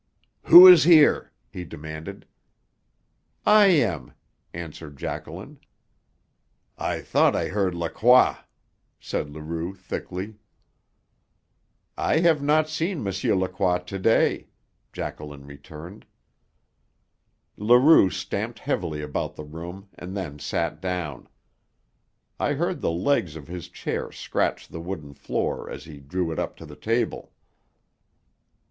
"Who is here?" he demanded. "I am," answered Jacqueline. "I thought I heard Lacroix," said Leroux thickly. "I have not seen M. Lacroix to day," Jacqueline returned. Leroux stamped heavily about the room and then sat down. I heard the legs of his chair scratch the wooden floor as he drew it up to the table.